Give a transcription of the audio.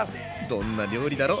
どんな料理だろ？